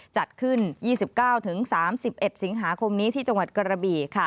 จัดขึ้น๒๙๓๑สิงหาคมนี้ที่จังหวัดกระบี่